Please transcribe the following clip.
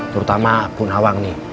terutama bu nawang nih